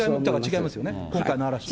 違いますよね、今回の件は。